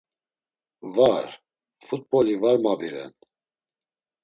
Var, fut̆boli var mabiren.